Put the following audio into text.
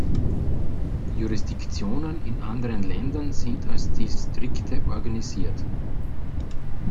Jurisdiktionen in anderen Ländern sind als Distrikte organisiert.